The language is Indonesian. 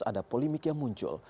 ada polimik yang muncul